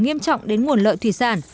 nghiêm trọng đến nguồn lợi thủy sản